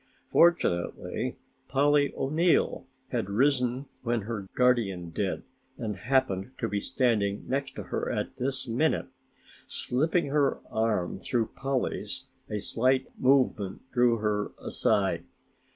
Fortunately, Polly O'Neill had risen when her guardian did and happened to be standing next her at this minute. Slipping her arm through Polly's a slight movement drew her aside.